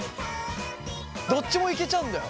どっちもいけちゃうんだよ。